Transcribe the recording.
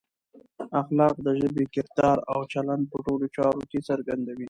اخلاق د ژبې، کردار او چلند په ټولو چارو کې څرګندوي.